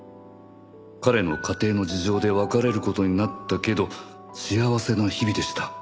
「彼の家庭の事情で別れることになったけど幸せな日々でした」